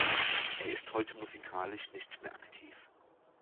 Er ist heute musikalisch nicht mehr aktiv.